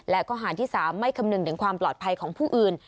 และข้อหารที่๓ไม่คำนึงถึงความปลอดภัยของผู้อื่น